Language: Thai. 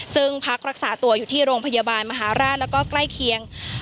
ซึ่งพักรักษาตัวอยู่ที่โรงพยาบาลมหาราชแล้วก็ใกล้เคียง